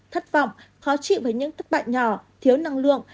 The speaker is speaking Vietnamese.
thất vọng khó chịu với những thất bại nhỏ thiếu năng lượng